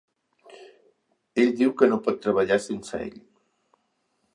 Ell diu que no pot treballar sense ell.